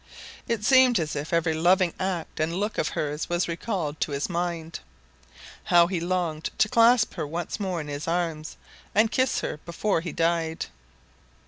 It seemed as if every loving act and look of hers was recalled to his mind. How he longed to clasp her once more in his arms and kiss her before he died!